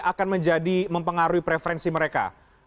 akan menjadi mempengaruhi preferensi mereka